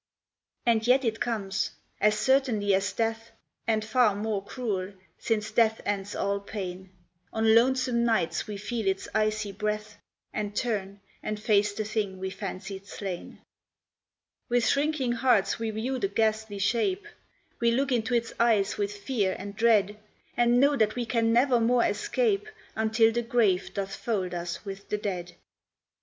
And yet it comes. As certainly as death, And far more cruel since death ends all pain, On lonesome nights we feel its icy breath, And turn and face the thing we fancied slain. With shrinking hearts, we view the ghastly shape; We look into its eyes with fear and dread, And know that we can never more escape Until the grave doth fold us with the dead.